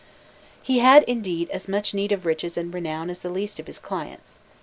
He, had, indeed, as much need of riches and renown as the least of his clients.